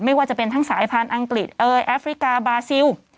ไม่ว่าจะเป็นทั้งสายพันธุ์อังกฤษเอยแอฟริกาบาซิล